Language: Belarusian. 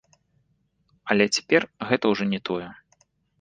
Але цяпер гэта ўжо не тое.